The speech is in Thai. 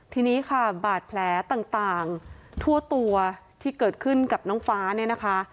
ทีนี้ค่ะบาดแผลต่างทั่วตัวที่เกิดขึ้นกับน้องฟ้าเนี่ยนะคะ